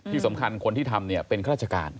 ที่สำคัญคนที่ทำเป็นข้าราชการ